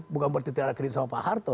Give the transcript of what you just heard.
bukan berarti tidak ada kritik sama pak harto